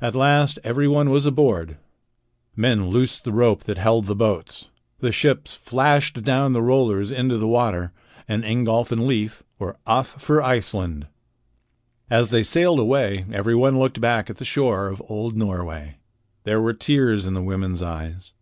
At last everyone was aboard. Men loosed the rope that held the boats. The ships flashed down the rollers into the water, and Ingolf and Leif were off for Iceland. As they sailed away everyone looked back at the shore of old Norway. There were tears in the women's eyes.